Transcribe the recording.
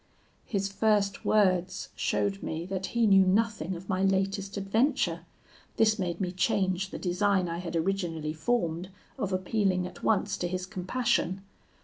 His first words showed me that he knew nothing of my latest adventure: this made me change the design I had originally formed of appealing at once to his compassion.